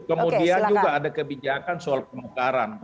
kemudian juga ada kebijakan soal penukaran